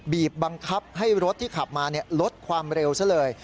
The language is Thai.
บีบบังคับให้รถที่ขับมาลดความเร็วซะเลย